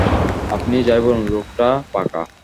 আপনি যাই বলুন, লোকটা পাকা।